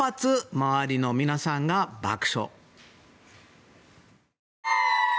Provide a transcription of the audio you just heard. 周りの皆さんが爆笑。